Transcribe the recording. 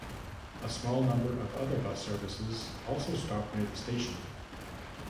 A small number of other bus services also stop near the station.